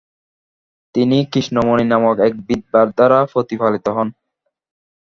তিনি কৃষ্ণমণি নামক এক বিধবার দ্বারা প্রতিপালিত হন।